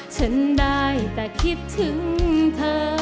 ฉันได้แต่คิดถึงเธอ